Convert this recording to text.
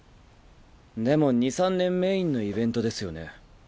でも二三年メインのイベントですよね？